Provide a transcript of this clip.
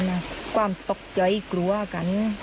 แบบค่อย